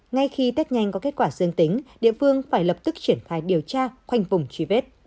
ngay khi tết nhanh có kết quả dương tính địa phương phải lập tức triển khai điều tra khoanh vùng truy vết